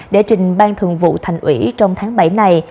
để trình ban thường vụ thành ủy trong tháng bảy này